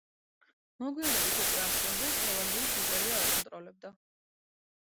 მოგვიანებით უკვე ამ კუნძულს ჰოლანდიის იმპერია აკონტროლებდა.